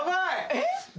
えっ？